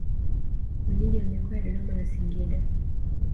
Wenyeji wa mikoa ya Dodoma na Singida